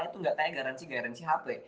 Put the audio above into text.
itu gak tanya garansi garansi hp